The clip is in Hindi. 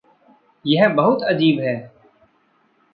यह बहुत अजीब है।